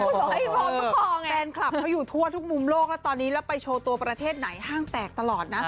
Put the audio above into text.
แฟนคลับเขาอยู่ทั่วทุกมุมโลกแล้วตอนนี้แล้วไปโชว์ตัวประเทศไหนห้างแตกตลอดนะ